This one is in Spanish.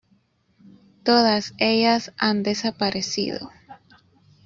Todas ellas han desaparecido.